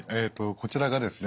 こちらがですね